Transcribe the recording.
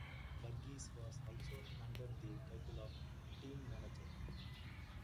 Burgess was also handed the title of "team manager".